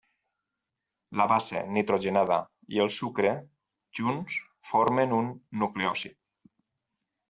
La base nitrogenada i el sucre junts formen un nucleòsid.